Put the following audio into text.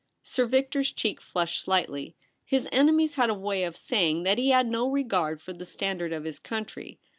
Sir Victor's cheek flushed slightly. His enemies had a way of saying that he had no regard for the standard of his country.